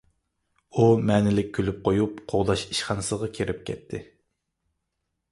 ئۇ مەنىلىك كۈلۈپ قويۇپ، قوغداش ئىشخانىسىغا كىرىپ كەتتى.